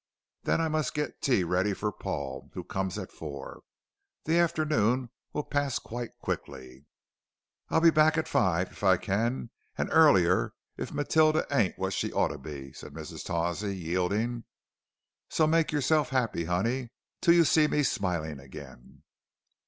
Then I must get tea ready for Paul, who comes at four. The afternoon will pass quite quickly." "I'll be back at five if I can, and earlier if Matilder ain't what she oughter be," said Mrs. Tawsey, yielding. "So make yourself 'appy, honey, till you sees me smilin' again."